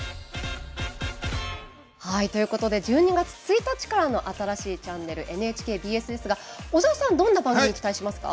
ということで、１２月１日からの新しいチャンネルＮＨＫＢＳですが小沢さんどんな番組に期待しますか？